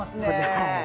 はい。